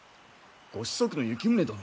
ご子息の行宗殿？